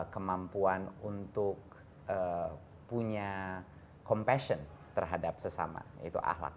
kemampuan untuk punya compassion terhadap sesama yaitu ahlak